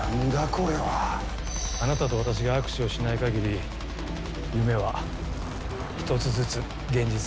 これは。あなたと私が握手をしない限り夢は１つずつ現実になっていく。